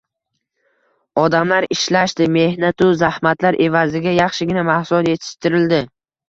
Odamlar ishlashdi, mehnatu zahmatlar evaziga yaxshigina mahsulot yetishtirildi